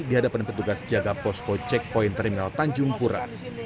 di hadapan petugas jaga posko checkpoint terminal tanjung pura